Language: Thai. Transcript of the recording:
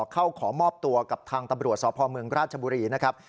ขอมอบตัวกับทางตำรวจสพเมืองราชบุรีนะครับ